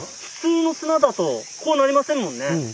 普通の砂だとこうなりませんもんね。